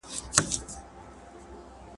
د بيلتون بله مشهوره طريقه تفريق ده.